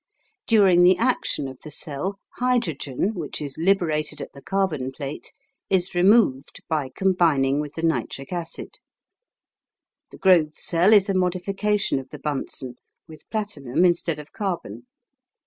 During the action of the cell, hydrogen, which is liberated at the carbon plate, is removed by combining with the nitric acid. The Grove cell is a modification of the Bunsen, with platinum instead of carbon.